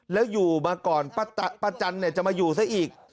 แล้วอยู่มาก่อนป้าจันจะมาอยู่ซะอีก